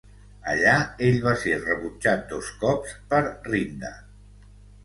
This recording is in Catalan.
Allà ell va ser rebutjat dos cops per Rinda.